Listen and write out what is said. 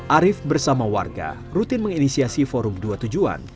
arief bersama warga rutin menginisiasi forum dua tujuan